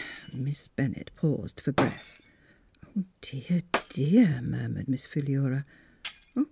" Miss Bennett paused for breath. " Dear, dear !" murmured Miss Philura.